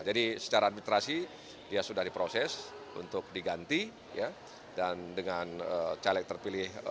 jadi secara administrasi dia sudah diproses untuk diganti dan dengan caleg terpilih